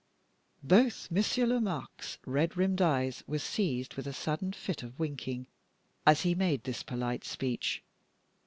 Both Monsieur Lomaque's red rimmed eyes were seized with a sudden fit of winking, as he made this polite speech.